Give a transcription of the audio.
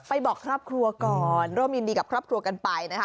บอกครอบครัวก่อนร่วมยินดีกับครอบครัวกันไปนะคะ